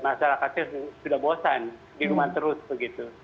masyarakatnya sudah bosan di rumah terus begitu